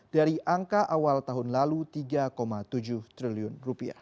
dari angka awal tahun lalu rp tiga tujuh triliun